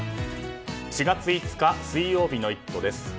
４月５日、水曜日の「イット！」です。